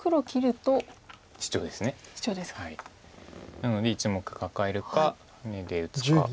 なので１目カカえるかハネで打つか。